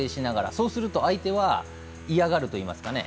そうすると相手は嫌がるといいますかね。